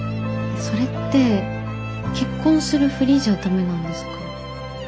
それって結婚するふりじゃダメなんですか？